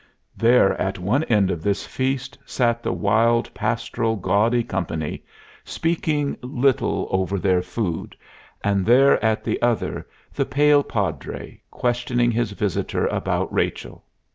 There at one end of this feast sat the wild, pastoral, gaudy company, speaking little over their food; and there at the other the pale Padre, questioning his visitor about Rachel.